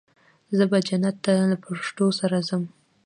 زه به جنت ته له پښتو سره ځم.